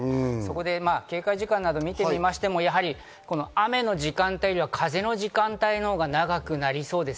警戒時間を見ても、雨の時間帯よりは風の時間帯のほうが長くなりそうです。